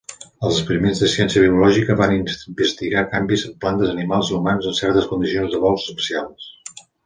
Els experiments de ciència biològica van investigar canvis en plantes, animals i humans en certes condicions de vols espacials.